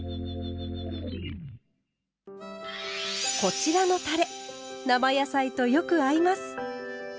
こちらのたれ生野菜とよく合います。